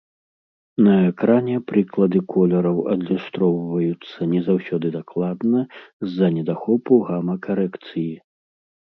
На экране прыклады колераў адлюстроўваюцца не заўсёды дакладна з-за недахопу гама-карэкцыі.